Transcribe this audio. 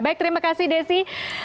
baik terima kasih desi